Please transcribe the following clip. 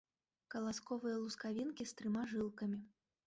Каласковыя лускавінкі з трыма жылкамі.